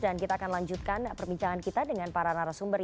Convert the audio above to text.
dan kita akan lanjutkan perbincangan kita dengan para narasumber